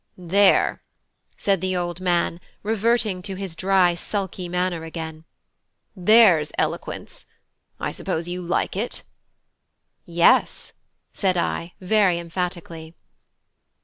"There!" said the old man, reverting to his dry sulky manner again. "There's eloquence! I suppose you like it?" "Yes," said I, very emphatically.